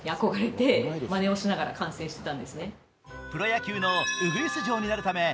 プロ野球のウグイス嬢になるため１２